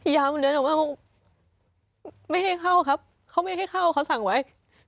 ยาวมันเดินออกมาไม่ให้เข้าครับเขาไม่ให้เข้าเขาสั่งไว้